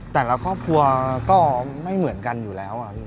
แต่ละครอบครัวก็ไม่เหมือนกันอยู่แล้วครับพี่